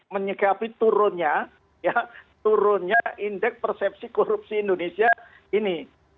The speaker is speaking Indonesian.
menyikapi turunnya ya turunnya indeks persepsi korupsi indonesia ini